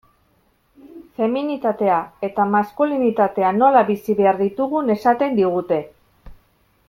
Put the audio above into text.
Feminitatea eta maskulinitatea nola bizi behar ditugun esaten digute.